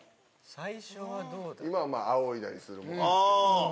今はあおいだりするものですけど。